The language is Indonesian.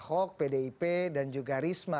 ahok pdip dan juga risma